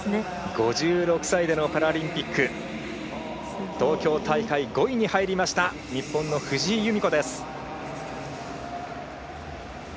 ５６歳でのパラリンピック東京大会５位に入りました日本の藤井由美子です。